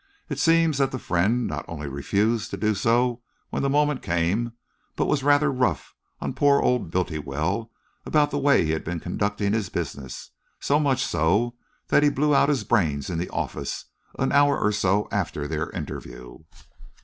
It seems that the friend not only refused to do so when the moment came, but was rather rough on poor old Bultiwell about the way he had been conducting his business so much so that he blew out his brains in the office, an hour or so after their interview."